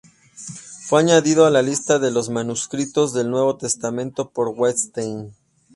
Fue añadido a la lista de los manuscritos del Nuevo Testamento por Wettstein.